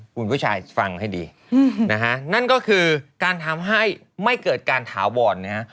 คุณผู้ชายฟังให้ดีนะฮะนั่นก็คือการทำให้ไม่เกิดการถาวรนะฮะ